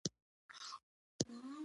د مذهب په باب خپل عقاید بیانوي.